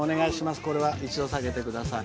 これは一度さげてください。